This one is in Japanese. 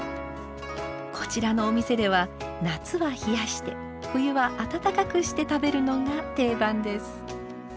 こちらのお店では夏は冷やして冬は温かくして食べるのが定番です。